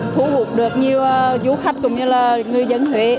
thu hút được nhiều du khách cũng như là người dân huế